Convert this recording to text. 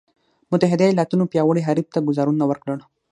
متحدو ایالتونو پیاوړي حریف ته ګوزارونه ورکړل.